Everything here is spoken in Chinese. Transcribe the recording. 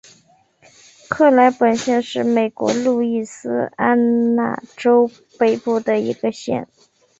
克莱本县是美国路易斯安那州北部的一个县。